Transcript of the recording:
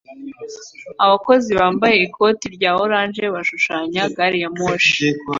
Abakozi bambaye ikoti rya orange bashushanya gari ya moshi